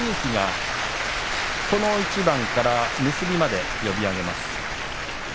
このあと結びまで呼び上げます。